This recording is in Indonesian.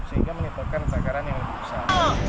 sehingga menyebabkan kebakaran yang lebih besar